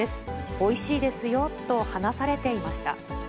おいしいですよと話されていました。